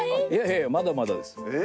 まだまだです。